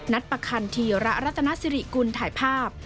นัดประคันทีระรัฐนาศิริกุลถ่ายภาพ